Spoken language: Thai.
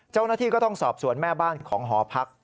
เจ้าหน้าที่ก็ต้องสอบสวนแม่บ้านของหอพัก